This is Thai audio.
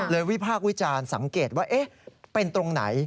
วิพากษ์วิจารณ์สังเกตว่าเป็นตรงไหน